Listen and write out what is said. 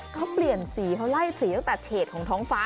เขาเปลี่ยนสีเขาไล่สีตั้งแต่เฉดของท้องฟ้า